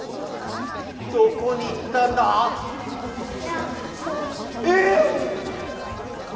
どこにいったんだ？え！